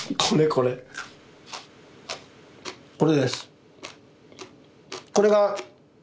これです。